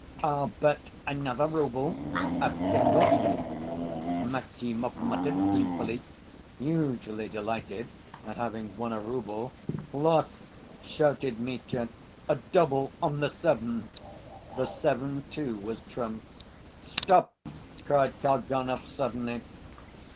"I'll bet another rouble, a 'single' stake," Maximov muttered gleefully, hugely delighted at having won a rouble. "Lost!" shouted Mitya. "A 'double' on the seven!" The seven too was trumped. "Stop!" cried Kalganov suddenly.